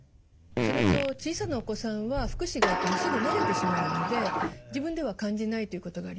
それと小さなお子さんは複視があってもすぐ慣れてしまうので自分では感じないということがあります。